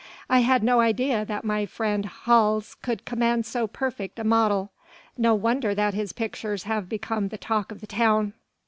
I had no idea that my friend Hals could command so perfect a model. No wonder that his pictures have become the talk of the town."